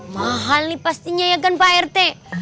mahal pastinya ya kan pak rt